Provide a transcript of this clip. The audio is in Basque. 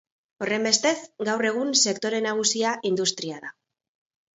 Horrenbestez, gaur egun sektore nagusia industria da.